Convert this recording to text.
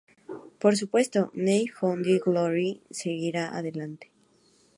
Por supuesto, New Found Glory seguirá adelante.